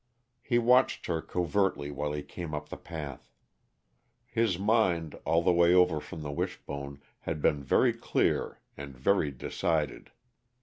He watched her covertly while he came up the path. His mind, all the way over from the Wishbone, had been very clear and very decided.